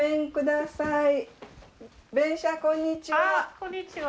こんにちは。